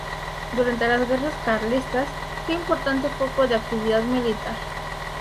Durante las guerras carlistas fue un importante foco de actividad militar.